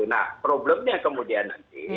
nah problemnya kemudian nanti